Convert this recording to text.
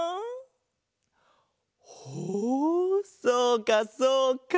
ほうそうかそうか。